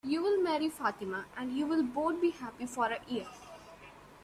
You'll marry Fatima, and you'll both be happy for a year.